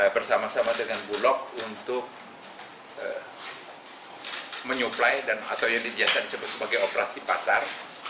bersama sama dengan bulog untuk menyuplai atau yang biasa disebut sebagai operasi pasar